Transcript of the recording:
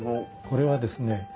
これはですね